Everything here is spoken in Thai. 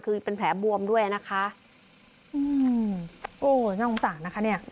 คือเป็นแผลบวมด้วยนะคะอืมโอ้น่าสงสารนะคะเนี่ย